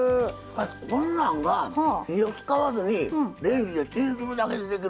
こんなんが火を使わずにレンジでチンするだけでできる。